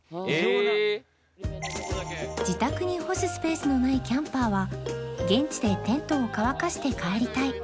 自宅に干すスペースのないキャンパーは現地でテントを乾かして帰りたい